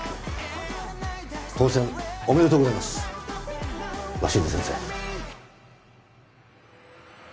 当選おめでとうございます鷲津先生。